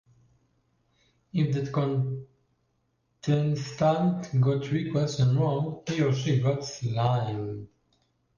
If that contestant got three questions wrong, he or she got "slimed".